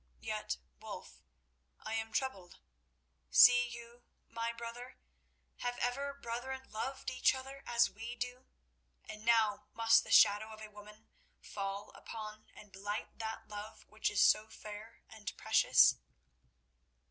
Yet, Wulf, I am troubled. See you, my brother, have ever brethren loved each other as we do? And now must the shadow of a woman fall upon and blight that love which is so fair and precious?"